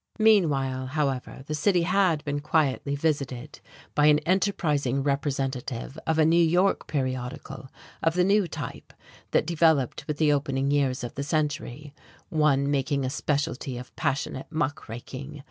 Meanwhile, however, the city had been quietly visited by an enterprising representative of a New York periodical of the new type that developed with the opening years of the century one making a specialty of passionate "muck raking."